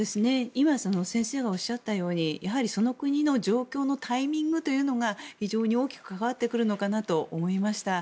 先生がおっしゃったようにその国の状況のタイミングというのが非常に大きく関わってくるのかなと思いました。